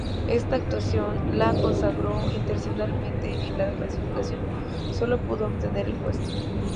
Esta actuación le consagró internacionalmente pero en la clasificación solo pudo obtener el puesto.